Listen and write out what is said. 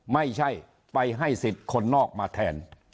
ไม่ใช่ไปให้สิทธิ์คนนอกมาแทน